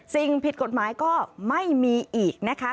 สิ่งผิดกฎหมายก็ไม่มีอีกนะคะ